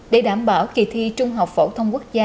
để đảm bảo kỳ thi trung học phổ thông quốc gia